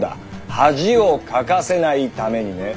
恥をかかせないためにね。